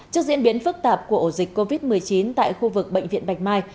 trước diễn biến phức tạp của ổ dịch covid một mươi chín tại khu vực bệnh viện bạch mai